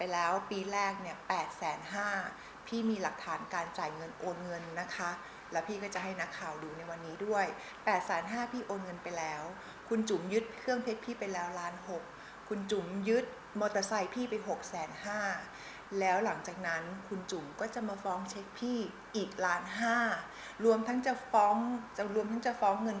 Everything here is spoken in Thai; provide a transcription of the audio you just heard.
แล้วปีแรกเนี่ย๘๕๐๐พี่มีหลักฐานการจ่ายเงินโอนเงินนะคะแล้วพี่ก็จะให้นักข่าวดูในวันนี้ด้วย๘๕๐๐พี่โอนเงินไปแล้วคุณจุ๋มยึดเครื่องเพชรพี่ไปแล้วล้าน๖คุณจุ๋มยึดมอเตอร์ไซค์พี่ไปหกแสนห้าแล้วหลังจากนั้นคุณจุ๋มก็จะมาฟ้องเช็คพี่อีกล้านห้ารวมทั้งจะฟ้องจะรวมทั้งจะฟ้องเงิน